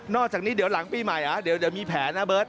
อกจากนี้เดี๋ยวหลังปีใหม่เหรอเดี๋ยวมีแผนนะเบิร์ต